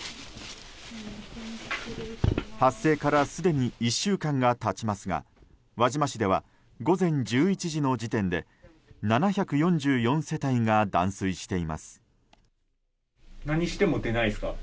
発生からすでに１週間が経ちますが輪島市では、午前１１時の時点で７４４世帯が断水しています。